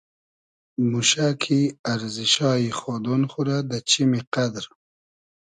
موشۂ کی ارزیشایی خودۉن خو رۂ دۂ چیمی قئدر